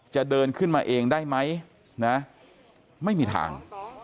จะเดินขึ้นมาเองได้ไหมนะไม่มีทาง